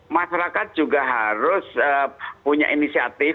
masyarakat juga harus punya inisiatif